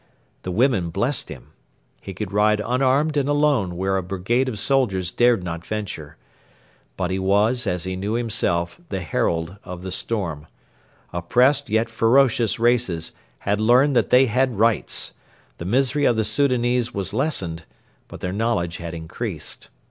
The women blessed him. He could ride unarmed and alone where a brigade of soldiers dared not venture. But he was, as he knew himself, the herald of the storm. Oppressed yet ferocious races had learned that they had rights; the misery of the Soudanese was lessened, but their knowledge had increased.